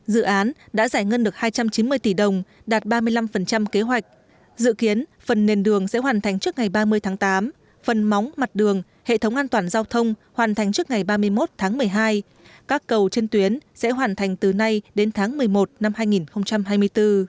dự án đã giải ngân được hai trăm chín mươi tỷ đồng đạt ba mươi năm kế hoạch dự kiến phần nền đường sẽ hoàn thành trước ngày ba mươi tháng tám phần móng mặt đường hệ thống an toàn giao thông hoàn thành trước ngày ba mươi một tháng một mươi hai các cầu trên tuyến sẽ hoàn thành từ nay đến tháng một mươi một năm hai nghìn hai mươi bốn